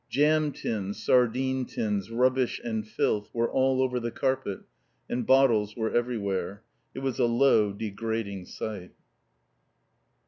Jam tins, sardine tins, rubbish and filth were all over the carpet, and bottles were everywhere. It was a low, degrading sight.